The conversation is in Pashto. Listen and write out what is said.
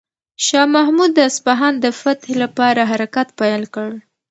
شاه محمود د اصفهان د فتح لپاره حرکت پیل کړ.